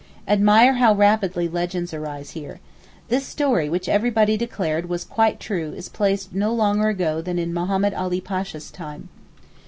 Admire how rapidly legends arise here. This story which everybody declared was quite true is placed no longer ago than in Mahommed Ali Pasha's time.